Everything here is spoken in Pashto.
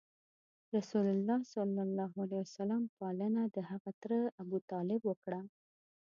رسول الله ﷺ پالنه دهغه تره ابو طالب وکړه.